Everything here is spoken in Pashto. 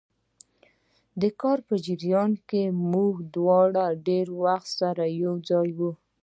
د کار په جریان کې به موږ دواړه ډېر وخت سره یو ځای وو.